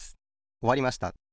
おわりました。